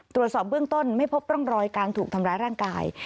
ตรวจสอบเบื้องต้นไม่พบร่องรอยการถูกทำร้ายร่างกาย